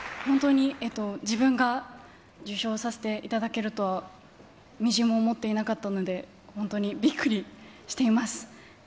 本当に自分が受賞させていただけるとは、みじんも思っていなかったので、本当にびっくりしています。